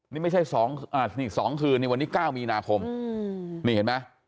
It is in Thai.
นี่ไม่ใช่๒คืนนี่วันนี้๙มีนาคมนี่เห็นไหม